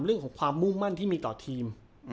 เรื่องของความมุ่งมั่นที่มีต่อทีม